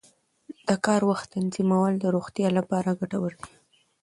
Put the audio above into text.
د کار وخت تنظیمول د روغتیا لپاره ګټور دي.